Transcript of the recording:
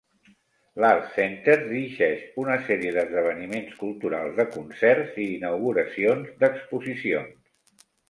L"Arts Center dirigeix una sèrie d"esdeveniments culturals de concerts i inauguracions d"exposicions.